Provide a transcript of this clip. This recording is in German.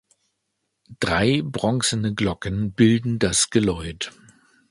Drei bronzene Glocken bilden das Geläut.